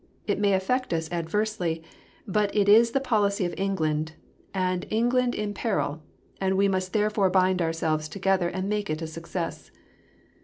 It may affect us adversely, but it is the policy of England, and England in peril, and we must therefore bind ourselves together and make it a success."